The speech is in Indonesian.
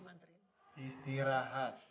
kamu ngapain disini gak tidur